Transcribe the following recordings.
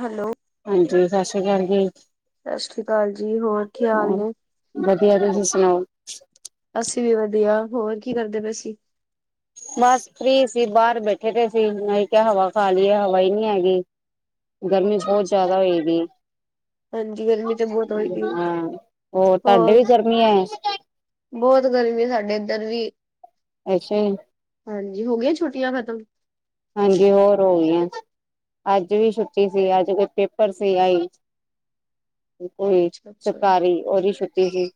Hello. ਹਾਂਜੀ, ਸਸ ਸ਼੍ਰੀ ਅਕਾਲ ਜੀ। ਸਤਿ ਸ੍ਰੀ ਅਕਾਲ ਜੀ ਹੋਰ ਕੀ ਹਾਲ ਹੂੰ, ਨੇ ਵਧੀਆ ਤੁਸੀਂ ਸੁਣਾਓ? ਅਸੀਂ ਵੀ ਵਧੀਆ ਹੋਰ ਕੀ ਕਰਦੇ ਪਏ ਸੀ? ਬਸ ਫਰੀ ਸੀ ਬਾਰ ਬੈਠੇ ਦੇ ਸੀ। ਮੈਂ ਕਿਆ ਹਵਾ ਖਾ ਲੀਏ ਹਵਾ ਹੀ ਨੀ ਹੈਗੀ। ਗਰਮੀ ਅੱਛਾ ਬਹੁਤ ਅੱਛਾ ਜਿਆਦਾ ਹੋਈ ਵੀ। ਹਾਂਜੀ [inaudible] ਗਰਮੀ ਤੇ ਬਹੁਤ ਹੋਈ ਦੀ ਹੋਰ ਤੁਹਾਡੇ ਵੀ ਗਰਮੀਆਂ ਐ? ਬਹੁਤ ਗਰਮੀ ਐ, ਸਾਡੇ ਇੱਧਰ ਵੀ ਅੱਛਾ ਜੀ। ਹਾਂਜੀ, ਹੋ ਗੀਆਂ ਛੁੱਟੀਆਂ ਖਤਮ? ਹਾਂਜੀ, ਹੋਰ ਹੋਗੀਆਂ ਅੱਜ ਵੀ ਛੁੱਟੀ ਸੀ। ਅੱਜ ਕੋਈ ਪੇਪਰ ਸੀਗਾ ਜੀ। ਕੋਈ ਅੱਛਾ ਅੱਛਾ ਸਰਕਾਰੀ ਉਦੀ ਛੁੱਟੀ ਸੀ।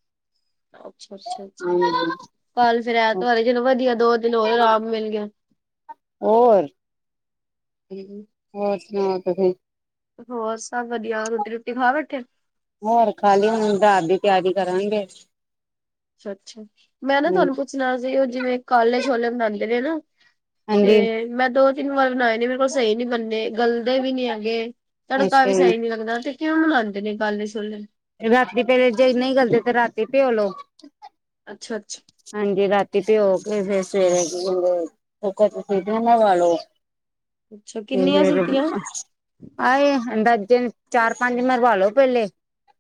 ਅੱਛਾ, ਅੱਛਾ, ਅੱਛਾ। ਹਾਂਜੀ ਕੱਲ ਫੇਰ ਐਤਵਾਰ ਏ, ਚਲੋ ਵਧੀਆ ਦੋ ਦਿਨ ਹੋਏ ਆਰਾਮ ਮਿਲ ਗਿਆ। ਓਏ [unintelligible] ਹੋਰ ਸੁਣਾਓ? ਤੁਸੀ ਹੋਰ ਸਭ ਵਧੀਆ ਰੋਟੀ ਰੂਟੀ ਖਾ ਬੈਠੇ। ਹੋਰ ਖਾਲੀ ਹੁਣ ਰਾਤ ਦੀ ਤਿਆਰੀ ਕਰਾਂਗੇ। ਅੱਛਾ-ਅੱਛਾ ਮੈਂ ਨਾ ਤੁਹਾਨੂੰ ਪੁੱਛਣਾ ਸੀ। ਓ ਜਿਵੇਂ ਕਾਲੇ ਛੋਲੇ ਬਣਾਂਦੇ ਨੇ ਨਾ ਹਾਂਜੀ ਤੇ ਮੈਂ ਦੋ ਤਿੰਨ ਵਾਰ ਬਣਾਏ ਨੇ, ਮੇਰੇ ਕੋਲ ਸਹੀ ਨੀ ਬੰਨੇ ਗਲਦੇ ਵੀ ਨੀ ਹੈਗੇ ਤੜਕਾ ਅੱਛਾ ਵੀ ਜੀ ਸਹੀ ਨੀ ਲੱਗਦਾ, ਤੇ ਕਿਉਂ ਬਨਾਦੇ ਨੇ ਕਾਲੇ ਛੋਲੇ ਰਾਤੀ ਜੇ ਨਈ ਗਲਦੇ ਤੇ ਰਾਤੀ ਭਿਉਲੋ ਅੱਛਾ-ਅੱਛਾ। ਹਾਂਜੀ, ਰਾਤੀ ਭਿਉ ਕੇ ਫਿਰ ਸਵੇਰੇ ਅੱਛਾ ਕਿੰਨੀਆਂ ਸੀਟੀਆਂ [unintelligible] ਆਏ ਹੁੰਦਾ ਜਿਨ ਚਾਰ-ਪੰਜ ਮਰਵਾਲੋ ਪਹਿਲੇ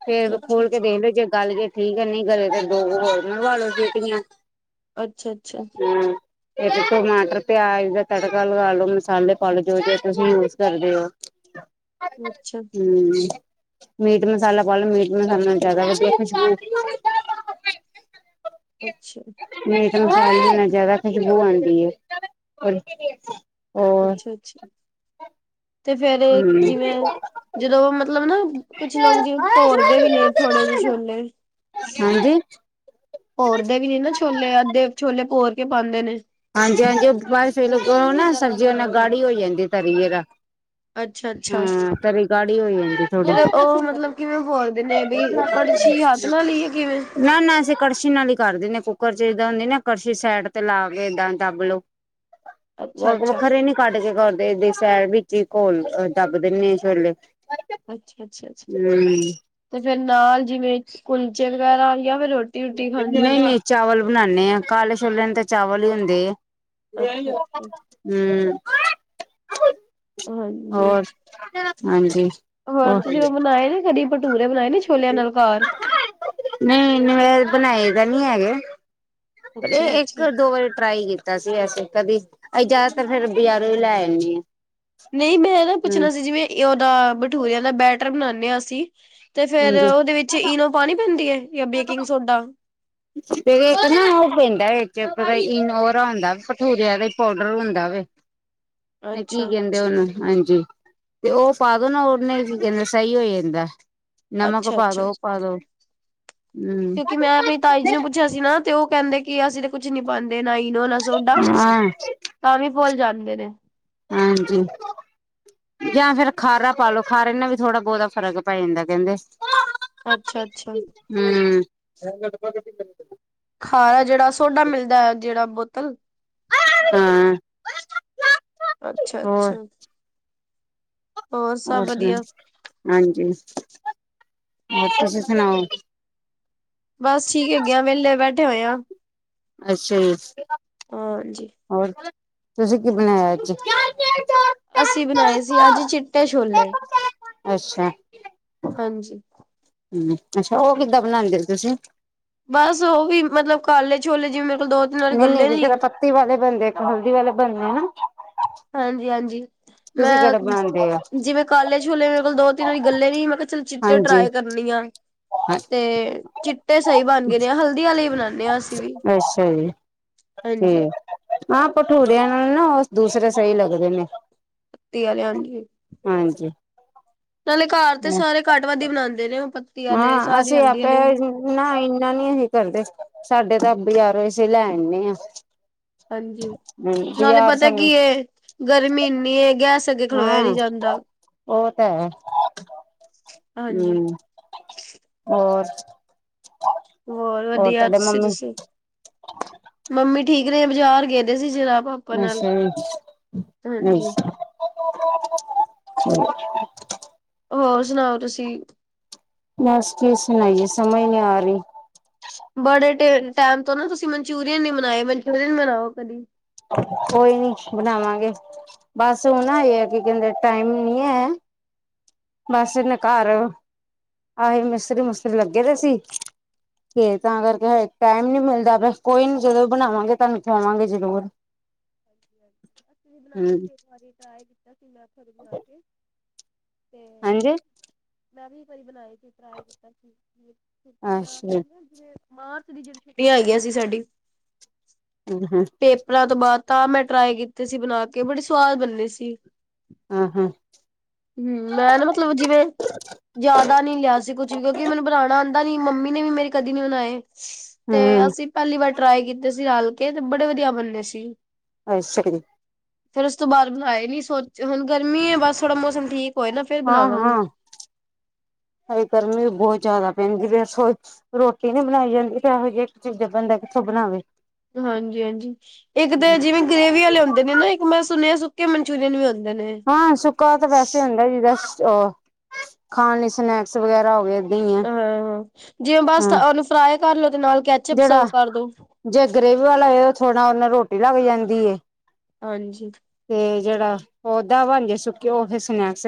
ਫੇਰ ਅੱਛਾ ਖੋਲ ਕੇ ਅੱਛਾ ਦੇਖ ਲੋ, ਜੇ ਗਲ ਗਏ ਠੀਕ ਐ। ਨਈ ਗਲੇ ਤੇ ਦੋ ਕੁ ਹੋਰ ਮਰਵਾਲੋ ਸੀਟੀਆਂ। ਅੱਛਾ-ਅੱਛਾ। ਹੂੰ। ਇਕ ਤੇ ਟਮਾਟਰ, ਪਿਆਜ ਦਾ ਤੜਕਾ ਲਗਾ ਲੋੋ ਮਸਾਲੇ ਪਾਲੋ ਜੋ-ਜੋ ਤੁਸੀਂ ਯੂਜ ਕਰਦੇ ਓ। [inaudible] ਅੱਛਾ। ਹੂੰ-ਹੂੰ ਮੀਟ ਮਸਾਲਾ ਪਾਲੋ ਮੀਟ ਮਸਾਲਾ ਜ਼ਿਆਦਾ ਵਧੀਆ ਖੁਸ਼ਬੂ ਅੱਛਾ। ਮੀਟ ਮਸਾਲੇ ਨਾ ਜ਼ਿਆਦਾ ਖੁਸ਼ਬੂ ਆਂਦੀ ਏ। ਹੋਰ ਅੱਛਾ-ਅੱਛਾ। ਤੇ ਫੇਰ, ਹਮ ਜਿਵੇਂ ਜਦੋਂ ਮਤਲਬ ਨਾ ਕੁਛ ਲੋਕ ਜਿਵੇਂ ਭੋਰਦੇ ਵੀ ਨੇ ਥੋੜ੍ਹੇ ਜਿਹੇ ਛੋਲੇ ਹਾਂਜੀ। ਭੋਰਦੇ ਵੀ ਨੇ ਨਾ, ਛੋਲੇ ਅੱਧੇ ਛੋਲੇ ਭੋਰ ਕੇ ਪਾਂਦੇ ਨੇ। ਹਾਂਜੀ-ਹਾਂਜੀ, ਓ ਬਸ ਫੇਰ ਨਾ ਸਬਜ਼ੀ ਓ ਨਾਲ ਗਾੜੀ ਹੋ ਜਾਂਦੀ ਤਰੀ ਜਰਾ ਅੱਛਾ ਅੱਛਾ। ਹੂੰ, ਫੇਰ ਤਰੀ ਗਾੜੀ ਹੋਂ ਜਾਂਦੀ ਐ ਥੋੜੀ [inaudible] ਉਹ ਮਤਲਬ ਕਿਵੇਂ ਭੋਰਦੇ ਨੇ ਬਈ ਕੜਛੀ ਹੱਥ ਨਾਲ ਹੀ ਆ ਕਿਵੇਂ ਨਾ ਨਾ ਕੜਛੀ ਨਾਲ ਈ ਕਰ ਦਿਨੇ ਆ ਕੁੱਕਰ ਚ ਜਿਦਾਂ ਹੁੰਦੀ, ਨਾ ਕੜਛੀ ਸੈਡ ਤੇ ਲਾ ਕੇ ਏਦਾਂ ਦੱਬ ਲੋ ਅੱਛਾ [unintelligible] ਅੱਛਾ। ਵਖਰੇ ਨੀ ਕੱਢ ਕੇ ਕਰਦੇ ਏਦਾਂ ਹੀ ਸੈਡ ਵਿੱਚੇ ਹੀ ਘੋਲ ਦੱਬ ਦਿੰਨੀ ਆ ਛੋਲੇ ਅੱਛਾ, ਅੱਛਾ, ਅੱਛਾ ਹਮ ਤੇ ਫੇਰ ਨਾਲ ਜਿਵੇਂ ਕੁਲਚੇ ਵਗੈਰਾ ਜਾਂ ਫੇਰ ਰੋ ਨਈ-ਨਈ ਚਾਵਲ ਬਨਾਨੇ ਆ, ਕਾਲੇ ਛੋਲਿਆ ਨਾ ਤੇ ਚਾਵਲ ਈ ਹੁੰਦੇ ਆ ਅੱਛਾ ਅੱਛਾ ਹੂ ਹਾਂਜੀ ਹੋਰ ਹਾਂਜੀ ਹੋਰ ਤੁਸੀਂ ਉਹ ਬਣਾਏ ਨੇ ਕਦੀ ਭਟੂਰੇ ਬਣਾਏ ਨੇ ਛੋਲਿਆਂ ਨਾਲ ਘਰ ਨਹੀਂ ਇੰਨੇ ਬਣਾਏ ਤਾਂ ਨਹੀਂ ਹੈਗੇ ਪਰ ਅੱਛਾ ਇਹ ਇੱਕ ਅੱਛਾ ਦੋ ਵਾਰੀ ਟਰਾਈ ਕੀਤਾ ਕੀਤਾ ਸੀਗਾ ਅਸੀਂ ਕਦੀ ਜਿਆਦਾਤਰ ਫਿਰ ਬਜਾਰੋਂ ਹੀ ਲੈ ਆਨੀ ਨਹੀਂ ਮੈਂ ਨਾ ਪੁੱਛਣਾ ਸੀ ਜਿਵੇਂ ਏ ਉਹਦਾ ਬਠੂੂਰਿਆਂ ਦਾ ਬੈਟਰ ਬਣਾਉਦੇ ਆਂ ਅਸੀਂ ਤੇ ਫਿਰ ਹਾਂਜੀ ਉਹਦੇ ਵਿੱਚ ਇਨੋ ਪਾਣੀ ਪੈਂਦੀ ਹੈ ਯਾਂ ਬੇਕਿੰਗ ਸੋਡਾ ਤੇ ਇੱਕ ਨਾ ਉਹ ਪੈਂਦਾ ਇਚ ਪਤਾ ਇਨੋਰਾ ਹੁੰਦਾ ਹੈ ਭਠੂਰਿਆਂ ਦਾ ਪਾਊਡਰ ਹੁੰਦਾ ਵੇ ਤੇ ਕੀ ਅੱਛਾ ਕਹਿੰਦੇ ਉਹਨੂੰ ਹਾਂਜੀ ਤੇ ਉਹ ਪਾ ਦੋ ਨਾ ਉਹਨੇ ਚੀਜ਼ਾਂ ਦਾ ਸਹੀ ਹੋ ਜਾਂਦਾ ਹੈ ਨਮਕ ਅੱਛਾ ਪਾ ਦੋ ਅੱਛਾ ਉਹ ਪਾ ਦੋ ਹੂ,,, ਕਿ ਮੈਂ ਆਪਣੀ ਤਾਈ ਜੀ ਨੂੰ ਪੁੱਛਿਆ ਸੀ ਨਾ ਤੇ ਉਹ ਕਹਿੰਦੇ ਕਿ ਅਸੀਂ ਤੇ ਕੁੱਛ ਨੀ ਪਾਉਂਦੇ ਨਾ ਇਨੋ ਨਾ ਸੋਡਾ ਹਾਂ ਤਾਵੀ ਭੁੱਲ ਜਾਂਦੇ ਨੇ ਹਾਂਜੀ ਜਾਂ ਫਿਰ ਖਾਰਾ ਪਾਲੋ ਖਾਰੇ ਨਾਲ ਵੀ ਥੋੜਾ ਬਹੁਤਾ ਫਰਕ ਪੈ ਜਾਂਦਾ ਕਹਿੰਦੇ। ਅੱਛਾ- ਅੱਛਾ। ਹੂ,,, ਖਾਰਾ ਜਿਹੜਾ ਸੋਡਾ ਮਿਲਦਾ ਹੈ ਜਿਹੜਾ ਬੋਤਲ ਹਾਂ ਅੱਛਾ- ਹੋਰ ਅੱਛਾ। ਹੋਰ ਸੁਣਾ ਹਾਂਜੀ ਹੋਰ ਤੁਸੀਂ ਸੁਣਾਓ ਬਸ ਠੀਕ ਹੈ ਗੇ ਆਂ ਵੇਹਲੇ ਬੈਠੇ ਹੋਏ ਆ ਅੱਛਾ ਜੀ ਹਾਂਜੀ। ਹੋਰ ਤੁਸੀਂ ਕੀ ਬਣਾਇਆ ਅੱਜ ਅਸੀਂ ਬਣਾਏ ਸੀ ਅੱਜ ਚਿੱਟੇ ਛੋਲੇ। ਅੱਛਾ ਹਾਂਜੀ ਹੂ ਅੱਛਾ ਉਹ ਕਿੱਦਾਂ ਬਣਾਉਂਦੇ ਤੁਸੀਂ ਬਸ ਉਹੀ ਮਤਲਬ ਕਾਲੇ ਛੋਲੇ ਜਿਵੇ ਮੇਰੇ ਕੋਲ ਦੋ ਤਿੰਨ ਵਾਰੀ ਨਹੀਂ - ਨਹੀਂ, ਗੱਲੇ ਨੀ ਜੇ ਤਾਂ ਪੱਤੀ ਵਾਲੇ ਬਣਦੇ ਇੱਕ ਹਲਦੀ ਵਾਲੇ ਬੰਨੇ ਹਾਂ। ਹਾਂਜੀ-ਹਾਂਜੀ ਤੁਸੀਂ ਮੈਂ ਕਿਹੜੇ ਬਣਾਉਂਦੇ ਆ? ਜਿਵੇਂ। ਕਾਲੇ ਛੋਲੇ ਮੇਰੇ ਕੋਲ ਦੋ ਤਿੰਨ ਵਾਰੀ ਗੱਲੇ ਨਹੀਂ ਮੈਂ ਕਿਹਾ ਚਿੱਟੇ ਹਾਂਜੀ ਟਰਾਈ ਕਰਨੀ ਆ ਤੇ ਚਿੱਟੇ ਸਹੀ ਬਣ ਗਏ ਨੇ ਆ ਹਲਦੀ ਵਾਲੇ ਹੀ ਬਣਾਉਦੇ ਹਾਂ ਅਸੀਂ ਵੀ ਅੱਛਾ ਜੀ। ਤੇ ਹਾਂਜੀ ਹਾਂ ਭਠੂੂਰਿਆਂ ਨਾਲ ਨਾ ਦੂਸਰੇ ਸਹੀ ਲੱਗਦੇ ਨੇ [unintelligible] ਹਾਂਜੀ। ਨਾਲੇ ਘਰ ਤੇ ਸਾਰੇ ਘੱਟ ਵੱਧ ਹੀ ਬਣਾਉਂਦੇ ਨੇ ਉਹ ਆਲੇ ਹਾਂ ਸਾਰੇ ਅਸੀਂ ਹਲਦੀ ਆਪੇ। ਆਲੇ ਨਾ, ਇੰਨਾ ਨੀ ਅਸੀਂ ਕਰਦੇ ਸਾਡੇ ਤਾਂ ਬਜਾਰੋਂ ਅਸੀਂ ਲੈ ਆਨੇਂ। ਹਾਂਜੀ, ਨਾਲੇ ਪਤਾ ਸਾਨੂੰ ਕੀ ਹੈ, ਗਰਮੀ ਇੰਨੀ ਏ, ਗੈਸ ਅੱਗੇ ਹਾਂ ਖਲੋਇਆ ਨੀ ਜਾਂਦਾ। ਉਹ ਤਾਂ ਹੈ। ਹਾਂਜੀ, ਹੂ, ਔਰ ਹੋਰ ਵਧੀਆ ਤੁਸੀਂ ਦੱਸੋ ਮੰਮੀ ਠੀਕ ਰਹੇ ਬਜ਼ਾਰ ਗਏ ਨੇ ਸੀ [unintelligible] ਅੱਛਾ ਜੀ ਹਾਂਜੀ, ਅੱਛਾ [unintelligible] ਹੋਰ ਸੁਣਾਓ ਤੁਸੀਂ ਬਸ ਕੀ ਸੁਣਾਈਏ ਸਮਝ ਨਹੀਂ ਆ ਰਹੀ। ਬੜੇ ਟਾਈਮ ਤੋਂ ਨਾ ਤੁਸੀਂ ਮਨਚੂਰੀਅਨ ਨਹੀਂ ਬਣਾਇਆ ਮਨਚੂਰੀਅਨ ਬਣਾਓ ਕਦੀ ਕੋਈ ਨੀ ਬਣਾਵਾਂਗੇ ਬਸ ਉਹ ਨਾ ਇਹ ਹੈ ਕਿ ਕਹਿੰਦੇ ਟਾਈਮ ਨੀ ਹੈ। ਮਾਸੀ ਨੇ ਘਰ, ਆਏ ਮਿਸਤਰੀ- ਮੁਸਤਰੀ ਲੱਗੇ ਦੇ ਸੀ। ਤੇ ਤਾਂ ਕਰਕੇ ਟਾਈਮ ਨੀ ਮਿਲਦਾ ਪਿਆ ਕੋਈ ਨੀ ਜਦੋਂ ਬਣਾਵਾਂਗੇ ਤੁਹਾਨੂੰ ਖਾਵਾਂਗੇ ਜ਼ਰੂਰ [unintelligible] ਅਸੀ ਵੀ ਬਣਾਏ ਹਮ ਸੀ ਇੱਕ ਵਾਰੀ ਟਰਾਈ ਕੀਤਾ ਸੀ ਮੈਂ ਇਥੇ ਬਣਾ ਕੇ, ਤੇ ਹਾਂਜੀ ਮੈਂ ਵੀ ਇੱਕ ਵਾਰੀ ਬਣਾਏ ਸੀ। ਛੁੱਟੀ ਅੱਛਾ ਮਾਰਚ ਦੀ ਛੁੱਟੀਆਂ ਹੈਗੀਆਂ ਸੀ ਸਾਡੀ। ਹੂੰ, ਹੂੰ। ਬਣਾ ਤੋਂ ਬਾਅਦ ਤਾਂ ਮੈਂ ਟਰਾਈ ਕੀਤੀ ਸੀ ਬਣਾ ਕੇ ਬੜੀ ਸਵਾਦ ਬਣਨੀ ਸੀ। ਹਾਂ-ਹਾਂ, ਹੂੰ, ਮੈਂ, ਨਾ ਮਤਲਬ ਜਿਵੇਂ ਜ਼ਿਆਦਾ ਨੀ ਲਿਆ ਸੀ, ਕੁਛ ਵੀ ਕਿਉਂਕਿ ਮੈਨੂੰ ਬਣਾਣਾ ਆਦਾ ਨੀ ਮੰਮੀ ਨੇ ਵੀ ਮੇਰੇ ਕਦੀ ਨੀ ਬਣਾਏ। ਤੇ ਹੂੰ ਅਸੀਂ ਪਹਿਲੀ ਵਾਰ ਟਰਾਈ ਕੀਤੇ ਸੀ ਰਲ ਕੇ, ਤੇ ਬੜੇ ਵਧੀਆ ਬਨੰਦੇ ਸੀ। ਅੱਛਕਰੀ [unintelligible] ਫਿਰ ਉਸ ਤੋਂ ਬਾਅਦ ਬਣਾਏ ਨਹੀਂ ਸੋਚ ਹੁਣ ਗਰਮੀਂ ਹੈ ਬਸ ਥੋੜਾ ਮੌਸਮ ਠੀਕ ਹੋਏ ਨਾ ਫੇਰ ਬਣਾਵਾਂਗੇ। ਹਾਂ-ਹਾਂ, ਅੱਜ ਗਰਮੀਂ ਵੀ ਬਹੁਤ ਜ਼ਿਆਦਾ ਪੈਂਦੀ ਫਿਰ ਸੋਚਾਂ। ਰੋਟੀ ਨੀ ਬਣਾਈ ਜਾਂਦੀ, ਤੇ ਐਹੋ ਜਿਹੀ ਚੀਜ਼ ਬੰਦਾ ਕਿੱਥੋਂ ਬਣਾਵੇ? ਹਾਂਜੀ-ਹਾਂਜੀ ਇੱਕ ਤਾਂ ਜਿਵੇਂ ਗ੍ਰੇਵੀ ਵਾਲੇ ਹੁੰਦੇ ਨੇ ਨਾ, ਇੱਕ ਮੈਂ ਸੁਣਿਆ ਸੁੱਕੇ ਮਨਚੂਰੀਅਨ ਵੀ ਹੁੰ। ਹਾਂ ਸੁੱਕਾ ਤਾਂ ਵੈਸੇ ਹੁੰਦਾ, ਜਿਦਾਂ ਉਹ ਖਾਣ ਲਈ ਸਨੈਕਸ ਵਗੈਰਾ ਹੋ ਗਏ। ਹੀ ਆ ਹਾਂ ਜਿਵੇਂ ਬਸ ਹਾਂ ਉਹਨੂੰ ਫਰਾਈ ਕਰ ਲਓ ਤੇ ਨਾਲ ਕ। ਜਿਹੜਾ ਜੇ ਗਰੇਵੀ ਵਾਲਾ ਥੋੜ੍ਹਾ ਉਹੰਦੇ ਨਾਲ ਰੋਟੀ ਲੱਗ ਜਾਂਦੀ ਐ। ਹਾਂਜੀ, ਤੇ ਜਿਹੜਾ ਉਦਾ ਬਣਕੇ ਸੁੱਕੇ ਉਹ ਫਿਰ ਸਨੈਕਸ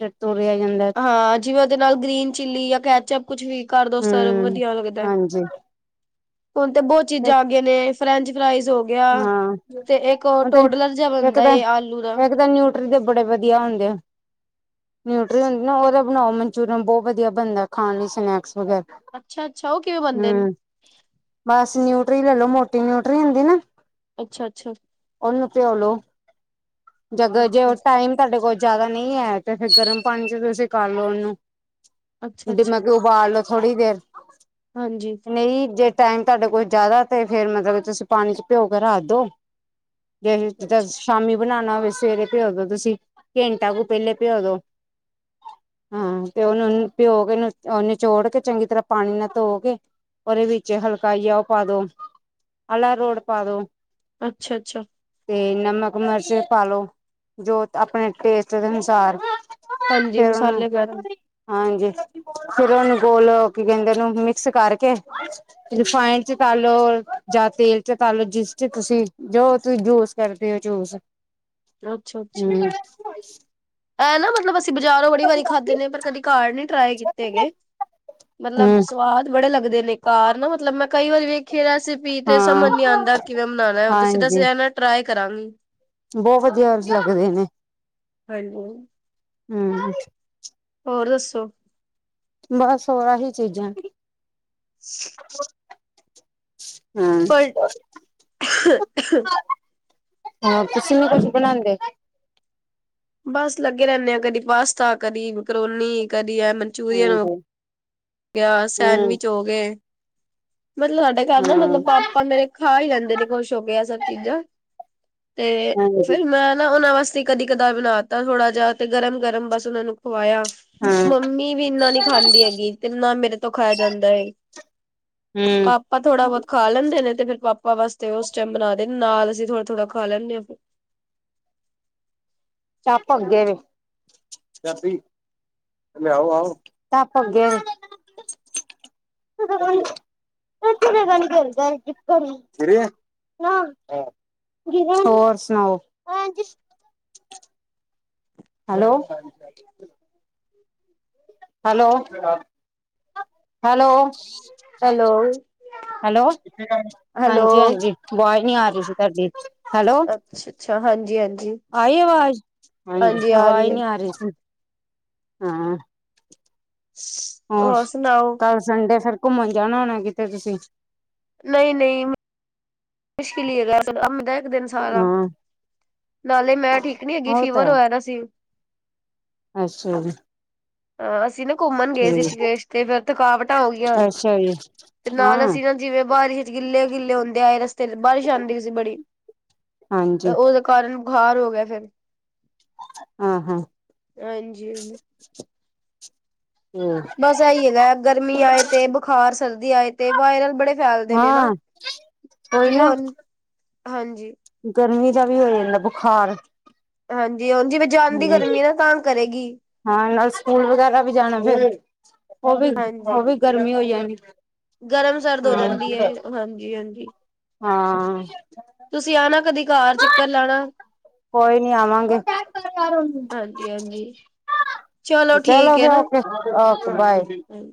ਦੇ ਤੋਰਿਆ ਜਾਂਦਾ। ਹਾਂ ਜਿਵੇਂ ਉਹਦੇ ਨਾਲ ਗ੍ਰੀਨ ਚਿੱਲੀ ਜਾਂ ਕੈਚਅੱਪ ਕੁੱਛ ਵੀ ਕਰ ਦੋ ਸਰਵ ਹੂੰ ਵਧੀਆ ਲੱਗਦਾ, ਹਾਂਜੀ ਹੁਣ ਤੇ ਬਹੁਤ ਚੀਜ਼ਾਂ ਆ ਗਈਆਂ ਨੇ। ਫਰੈਂਚ ਫਰਾਈਜ਼ ਹੋ ਗਿਆ, ਹਾਂ ਤੇ ਇੱਕ ਹੁਣ ਤੇ ਟੋਡਲਰ ਜਿਹਾ ਇੱਕ ਬਣਦਾ ਤਾਂ ਏ ਆਲੂ ਦਾ। ਇੱਕ ਤਾਂ ਨਿਊਟਰੀ ਦੇ ਬੜੇ ਵਧੀਆ ਹੁੰਦੇ ਆ, ਨਿਊਟਰੀ ਹੁੰਦੀ ਨਾ ਉਹਦੇ ਬਣਾਓ ਮਨਚੂਰੀਅਨ ਬਹੁਤ ਵਧੀਆ ਬਣਦਾ ਖਾਣ ਲਈ, ਸਨੈਕਸ ਵਗੈਰਾ। ਅੱਛਾ-ਅੱਛਾ, ਉਹ ਕਿਵੇਂ ਬੰਨਦੇ ਨੇ? ਹਮ ਬਸ ਨਿਊਟਰੀ ਲੈ ਲੋ ਮੋਟੀ ਨਿਊਟਰੀ ਹੁੰਦੀ ਨਾ। ਅੱਛਾ-ਅੱਛਾ, ਉਹਨੂੰ ਪਿਹੋ ਲੋ ਅਗਰ ਜੇ ਉਹ ਅੱਛਾ ਟਾਈਮ ਤੁਹਾਡੇ ਕੋਲ ਜਿਆਦਾ ਨਹੀਂ ਹੈ, ਤੇ ਫਿਰ ਗਰਮ ਪਾਣੀ ਚ ਤੁਸੀਂ ਕਰ ਲਓ, ਉਹਨੂੰ ਅੱਛਾ ਜਿਨ੍ਹਾਂ ਅੱਛਾ ਕੁ ਉਬਾਲ ਲੋੋ ਥੋੜ੍ਹੀ ਦੇਰ, ਹਾਂਜੀ। ਨਹੀਂ ਜੇ ਟਾਈਮ ਤੁਹਾਡੇ ਕੋਲ ਜ਼ਿਆਦਾ, ਤੇ ਫਿਰ ਮਤਲਬ ਤੁਸੀਂ ਪਾਣੀ ਚ ਭਿਓ ਕੇ ਰੱਖ ਦਿਓ। ਜੇ ਜਿੱਦਾਂ ਸ਼ਾਮੀ ਬਣਾਣਾ ਹੋਵੇ, ਸਵੇਰੇ ਭਿਓ ਦੋ ਤੁਸੀਂ ਘੈਂਟਾ ਕੁ ਪਹਿਲੇ ਭਿਓ ਦੋ। ਹਾਂ, ਫਿਰ ਉਹਨੂੰ ਨੂੰ ਭਿਓ ਕੇ, ਅ ਨਿਚੋੜ ਕੇ, ਚੰਗੀ ਤਰ੍ਹਾਂ ਪਾਣੀ ਨਾਲ ਧੋਕੇ ਉਹਦੇ ਵਿੱਚ ਹਲਕਾ ਜਿਹਾ, ਉਹ ਪਾ ਦੋ ਅਰਾਰੋਟ ਪਾ ਦੋ। ਅੱਛਾ-ਅੱਛਾ, ਤੇ, ਨਮਕ-ਮਰਚ ਪਾ ਲੳ, ਜੋ ਆਪਣੇ ਟੇਸਟ ਦੇ ਅਨੁਸਾਰ। ਹਾਂਜੀ ਫਿਰ ਉਹਨੂੰ ਮਸਾਲੇ ਵਗੈਰਾ। ਹਾਂਜੀ, ਫਿਰ ਉਹਨੂੰ ਗੋਲ ਕੀ ਕਹਿੰਦੇ? ਉਹਨੂੰ ਮਿਕਸ ਕਰਕੇ ਰਿਫਾਂਇਡ ਚ ਤਲ ਲੋ ਜਾਂ ਤੇਲ ਪਤਾ ਨੀ ਜਿਸ ਚ ਤੁਸੀਂ ਜੋਸੀਂ ਜੂਸ ਕਰਦੇ ਹੋ ਜੂਸ। ਹੂੰ, ਐਹ ਨਾ, ਮਤਲਬ ਅਸੀਂ ਬਜ਼ਾਰੋਂ ਬੜੀ ਵਾਰੀ ਖਾਧੇ ਨੇ, ਪਰ ਕਦੀ ਘਰ ਨੀ ਟਰਾਏ ਕੀਤੇ ਹੈਗੇ। ਮਤਲੱਬ ਹਮ ਸਵਾਦ ਬੜੇ ਲੱਗਦੇ ਨੇ, ਘਰ ਨਾ ਮਤਲਬ ਮੈਂ ਕਈ ਵਾਰੀ ਵੇਖ। ਕਿ ਰੈਸਪੀ ਤੇ ਹਾਂ ਸਮਝ ਨੀ ਆਂਦਾ ਕਿਵੇਂ ਬਨਾਣਾ, ਹੁਣ ਤੁਸੀਂ ਹਾਂਜੀ ਦਸਿਆ ਨਾ, ਟਰਾਏ ਕਰਾਂਗੀ। ਬਹੁਤ ਵਧੀਆ ਲੱਗਦੇ ਨੇ, ਹਾਜੀ, ਹੂੰ, ਹੋਰ ਦੱਸੋ? ਬਸ ਆਹੀ ਚੀਜ਼ਾਂ ਸ [inaudible] [unintelligible] ਹਮ ਪਰ [unintelligible] [unintelligible] ਹਾਂ, ਤੁਸੀ ਨਹੀਂ ਕੁੱਛ ਬਣਾਉਂਦੇ? ਬਸ, ਲੱਗੇ ਰਹਿੰਦੇ ਆ ਕਦੀ ਪਾਸਤਾ, ਕਦੀ ਮਕਰੋਨੀ, ਕਦੀ ਐ ਹਾਂਜੀ। ਗਿਆ ਹਮ ਸੈਂਡਵਿਚ ਹੋ ਗਏ। ਮਤਲੱਬ ਸਾਡੇ ਘਰ ਨਾ ਹਾਂ ਮਤਲੱਬ ਪਾਪਾ ਮੇਰੇ ਖਾ ਹੀ ਲੈਂਦੇ ਨੇ ਖੁਸ਼ ਹੋ ਕੇ ਇਹ ਸਬਜ਼ੀ ਚੀਜਾਂ। ਤੇ, ਹਾਂਜੀ ਫਿਰ ਮੈਂ ਨਾ ਉਹਨਾਂ ਵਾਸ ਤੇ ਕਦੀ, ਕਦਾਰ ਬਣਾ ਤਾ ਥੋੜਾ ਜਿਹਾ ਤੇ ਗਰਮ, ਗਰਮ ਬਸ ਉਹਨਾ ਨੂੰ ਖਵਾਇਆ। ਹਾਂ ਮੰਮੀ ਵੀ ਇੰਨਾ ਨੀ ਖਾਂਦੀ ਹੈਗੀ ਤੇ ਨਾ ਮੇਰੇ ਤੋਂ ਖਾਇਆ ਜਾਂਦਾ ਹੈ। ਹੂੰ ਪਾਪਾ, ਥੋੜਾ ਬਹੁਤ ਖਾ ਲੈਂਦੇ ਨੇ ਫਿਰ ਪਾਪਾ ਵਾਸਤੇ ਉਸ ਟਾਈਮ ਬਣਾ ਦੇ ਨੇ ਨਾਲ ਅਸੀ ਥੋੜਾ ਥੋੜਾ ਖਾ ਲੈਂਦੇ ਹਾਂ। ਟੱਪ ਅੱਗੇ ਵ [unintelligible] ਲਿਆਓ ਆਓਂ ਟੱਪ ਅਗੇ। [inaudible] [unintelligible] ਗ ਕਰ [inaudible] [unintelligible] ਹੋਰ ਸੁਣਾਓ? Hello. ਠ [inaudible] [inaudible] hello, hello. Hello hello, ਹਾਂਜੀ, ਹੈਲੋ ਹਾਂਜੀ ਅਵਾਜ਼ ਨਹੀਂ ਆ ਰਹੀ ਸੀ ਤੁਹਾਡੀ ਹੈਲੋ। ਅੱਛਾ ਅੱਛਾ, ਹਾਂਜੀ ਹਾਂਜੀ। ਆਈ ਅਵਾਜ਼? ਹਾਂਜੀ, ਅਵਾਜ਼ ਨਹੀਂ ਆ ਰਹੀ ਹਾਂ। ਛ ਛ ਹੋਰ, ਕੱਲ ਸੰਡੇ ਫਿਰ ਘੁੰਮਣ ਜਾਣਾ ਹੋਣਾ ਕਿਤੇ ਤੁਸੀਂ? ਨਹੀਂ, ਨੀ ਮੁਸ਼ਕਿਲ ਹੀ ਹੈਗਾ ਕਾਮ [unintelligible] ਦਾ ਇੱਕ ਦਿਨ ਸਾਰਾ। ਹਾਂ, ਨਾਲੇ ਮੈਂ, ਠੀਕ ਨੀ ਹੈਗੀ ਉਹ ਤਾਂ ਫੀਵਰ ਹੈ। ਹੋਇਆ ਦਾ ਸੀ। ਅੱਛਾ ਜੀ। ਹਾਂ, ਅਸੀਂ ਨਾ ਘੁੰਮਣ ਗਏ ਸੀ ਠੀਕ। ਰਿਸ਼ੀਕੇਸ਼ ਤੇ ਫੇਰ ਥਕਾਵਟਾਂ ਹੋ ਗਈਆਂ ਅੱਛਾ ਜੀ, ਤੇ ਨਾਲ ਹਾਂ, ਅਸੀਂ ਨਾ ਜਿਵੇਂ ਬਾਰਿਸ਼ ਚ ਗਿੱਲੇ, ਗਿੱਲੇ ਹੁੰਂਦੇ ਆਏ ਰਸਤੇ ਚ ਬਾਰਿਸ਼ ਆਉਂਦੀ ਸੀ ਬੜੀ ਹਾਂਜੀ, ਉਹਦੇ ਕਾਰਨ ਬੁਖਾਰ ਹੋ ਗਿਆ ਫੇਰ। ਆ ਹਾਂ। ਹਾਂਜੀ। ਹਮ। [unintelligible] ਬਸ ਏ ਹੀ ਹੈਗਾ ਗਰਮੀ ਆਏ ਤੇ ਬੁਖਾਰ ਸਰਦੀ ਆਏ ਤੇ ਵਾਇਰਲ ਬੜੇ ਫੈਲਦੇ ਨੇ ਨਾ, ਹਾਂ, ਕੋਈ ਜਿਵੇਂ ਨਾ ਹੁਣ ਹਾਂਜੀ। ਗਰਮੀ ਦਾ ਵੀ ਹੋ ਜਾਂਦਾ ਬੁਖਾਰ। ਹਾਂਜੀ, ਹੁਨ ਜਿਵੇਂ ਜਾਂਦੀ ਹੂੰ। ਗਰਮੀ ਹੈ ਨਾ ਤੰਗ ਕਰੇਗੀ। ਹਾਂ, ਨਾਲ ਸਕੂਲ ਵਗੈਰਾ ਵੀ ਜਾਣਾ ਫਿਰ ਉਹ ਵੀ, ਹਾਂਜੀ ਉਹ ਵੀ ਗਰਮੀ ਹੋ ਜਾਣੀ। ਗਰਮ, ਸਰਦ ਹੋ ਹਾਂ ਜਾਂਦੀ ਹੈ ਹਾਂਜੀ, ਹਾਂਜੀ। ਹਾਂ। ਤੁਸੀਂ ਆਉਣਾ ਕਦੀ ਘਰ ਚੱਕਰ ਲਾਉਣਾ। ਕੋਈ ਨੀ, ਆਵਾਂਗੇ। ਹਾਂਜੀ ਹਾਂਜੀ ਠੀਕ ਚਲੋ ਹੈ ਫਿਰ ਨਾ ਓਕੇ, ਓਕੇ ਬਾਏ। ਹਾਂਜੀ